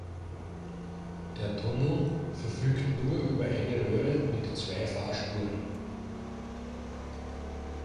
Der Tunnel verfügt nur über eine Röhre mit zwei Fahrspuren.